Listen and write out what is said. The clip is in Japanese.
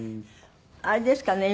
あれですかね